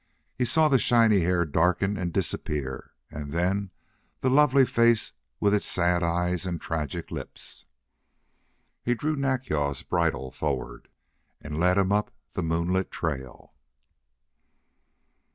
He saw the shiny hair darken and disappear and then the lovely face with its sad eyes and tragic lips. He drew Nack yal's bridle forward, and led him up the moonlit trail.